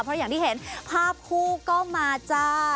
เพราะอย่างที่เห็นภาพคู่ก็มาจ้า